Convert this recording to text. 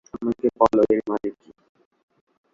আমাকে বলো এর মানে কি!